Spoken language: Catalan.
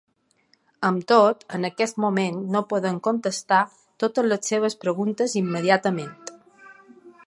Amb tot, en aquest moment no podem contestar totes les seves preguntes immediatament.